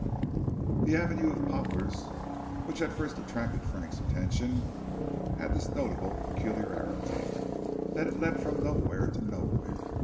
The avenue of poplars which had first attracted Frank's attention had this notable peculiarity, that it led from nowhere to nowhere.